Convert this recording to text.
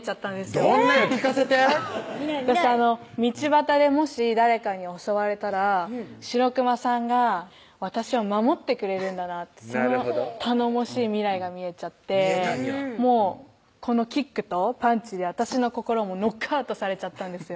どんなんよ聞かせて私道端でもし誰かに襲われたらシロクマさんが私を守ってくれるんだなって頼もしい未来が見えちゃって見えたんやもうこのキックとパンチで私の心もノックアウトされちゃったんですよ